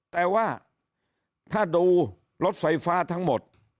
แต่ว่าถ้าดูรถไฟฟ้าทั้งหมด